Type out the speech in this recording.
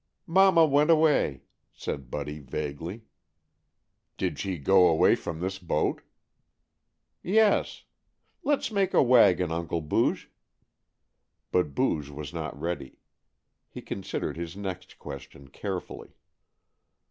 "Mama went away," said Buddy vaguely. "Did she go away from this boat?" "Yes. Let's make a wagon, Uncle Booge," but Booge was not ready. He considered his next question carefully.